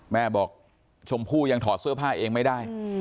แม่บอกชมพู่ยังถอดเสื้อผ้าเองไม่ได้